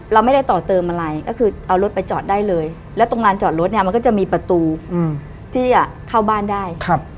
เราไม่ได้ต่อเติมอะไรก็คือเอารถไปจอดได้เลยแล้วตรงลานจอดรถเนี่ยมันก็จะมีประตูที่จะเข้าบ้านได้